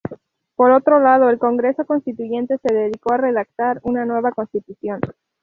Por otro lado, el Congreso Constituyente se dedicó a redactar una nueva constitución.